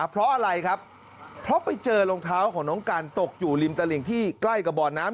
เพราะอะไรครับเพราะไปเจอรองเท้าของน้องกันตกอยู่ริมตลิ่งที่ใกล้กับบ่อน้ำ